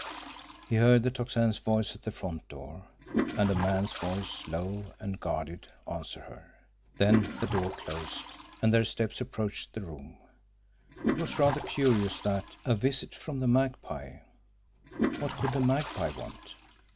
He heard the Tocsin's voice at the front door, and a man's voice, low and guarded, answer her. Then the door closed, and their steps approached the room. It was rather curious, that a visit from the Magpie! What could the Magpie want?